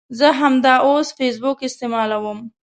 زه همداوس فیسبوک استعمالوم